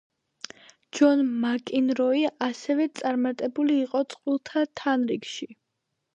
ჯონ მაკინროი ასევე წარმატებული იყო წყვილთა თანრიგში.